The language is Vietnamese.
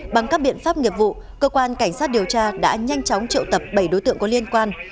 bằng các biện pháp nghiệp vụ cơ quan cảnh sát điều tra đã nhanh chóng triệu tập bảy đối tượng có liên quan